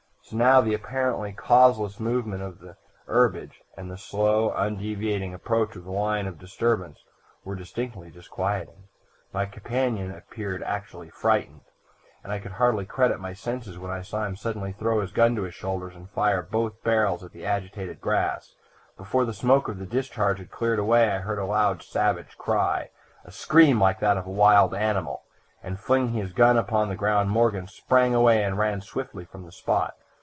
So now the apparently causeless movement of the herbage, and the slow, undeviating approach of the line of disturbance were distinctly disquieting. My companion appeared actually frightened, and I could hardly credit my senses when I saw him suddenly throw his gun to his shoulders and fire both barrels at the agitated grass! Before the smoke of the discharge had cleared away I heard a loud savage cry a scream like that of a wild animal and, flinging his gun upon the ground, Morgan sprang away and ran swiftly from the spot.